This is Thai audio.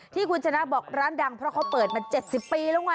ที่คุณชนะบอกร้านดังเพราะเขาเปิดมา๗๐ปีแล้วไง